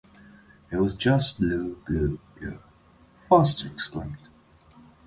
It was just blue, blue, blue, Foster explained.